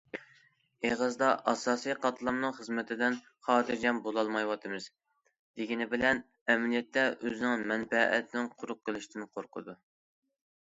ئېغىزدا ئاساسىي قاتلامنىڭ خىزمىتىدىن خاتىرجەم بولالمايۋاتىمىز دېگىنى بىلەن، ئەمەلىيەتتە، ئۆزىنىڭ مەنپەئەتتىن قۇرۇق قېلىشتىن قورقىدۇ.